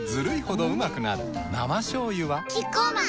生しょうゆはキッコーマン